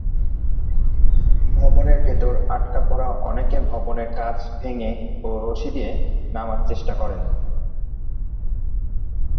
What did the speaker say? ভবনের ভেতর আটকা পরা অনেকে ভবনের কাঁচ ভেঙ্গে ও রশি দিয়ে নামার চেষ্টা করেন।